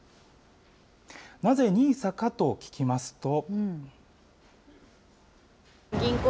なぜＮＩＳＡかと聞きますと。